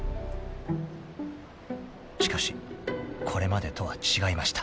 ［しかしこれまでとは違いました］